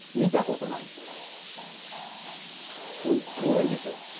すっごいですよ。